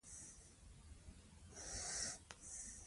تخنیکران روزل کېږي.